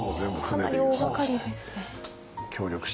かなり大がかりですね。